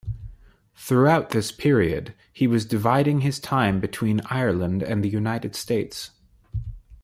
Throughout this period, he was dividing his time between Ireland and the United States.